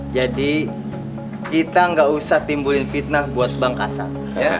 jadi kita nggak usah timbulin fitnah buat bang kasar